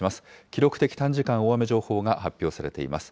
記録的短時間大雨情報が発表されています。